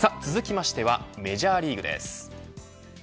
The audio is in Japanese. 続きましてはメジャーリーグです。